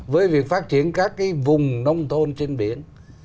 với việc phát triển các cái vùng nông thôn trên biển